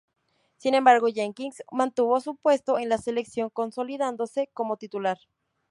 Sin embargo Jenkins mantuvo su puesto en la selección consolidándose como titular.